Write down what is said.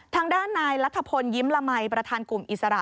ทางด้านนายรัฐพลยิ้มละมัยประธานกลุ่มอิสระ